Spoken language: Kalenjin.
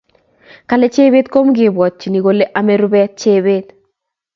kale jebet kamukobwatchini kole ame rupet jebet